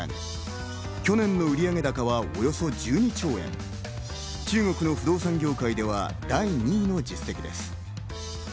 去年の売上高はおよそ１２兆円、中国の不動産業界では第２位の実績です。